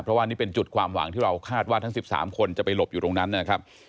เพราะว่านี่เป็นจุดความหวังที่เราคาดว่าทั้ง๑๓คนจะไปหลบอยู่ตรงนั้นนะครับ